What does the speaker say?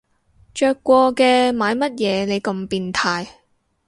着過嘅買乜嘢你咁變態